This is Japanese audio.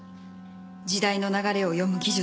時代の流れを読む技術。